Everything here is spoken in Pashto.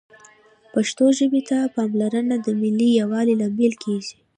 پښتو ژبې ته پاملرنه د ملي یووالي لامل کېږي